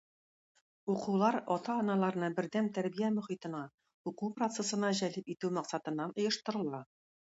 Укулар ата-аналарны бердәм тәрбия мохитенә, уку процессына җәлеп итү максатыннан оештырыла